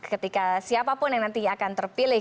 ketika siapapun yang nanti akan terpilih